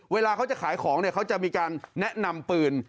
เวลาเขาจะขายของเขาจะมีการแนะนำปืน